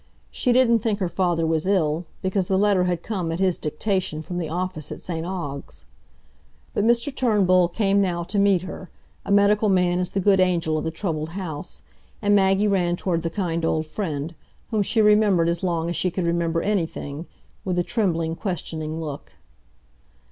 She didn't think her father was ill, because the letter had come at his dictation from the office at St Ogg's. But Mr Turnbull came now to meet her; a medical man is the good angel of the troubled house, and Maggie ran toward the kind old friend, whom she remembered as long as she could remember anything, with a trembling, questioning look.